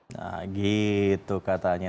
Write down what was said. nah gitu katanya